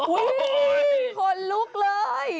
อุ้ยคนลุกเลย